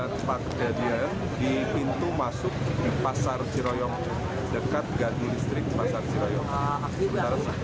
tempat kejadian di pintu masuk di pasar ciroyong dekat gadu listrik pasar ciroyong